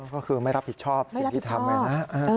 ก็คือไม่รับผิดชอบสิ่งที่ทำนะ